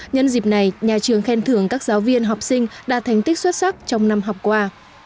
nhân dịp này nhà trường khen thưởng các giáo viên học sinh đạt thành tích xuất sắc trong năm học qua